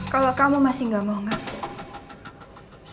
kalau kamu masih gak mau ngaku